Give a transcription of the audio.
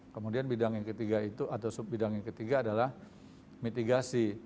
kemudian bidang yang ketiga itu atau sub bidang yang ketiga adalah mitigasi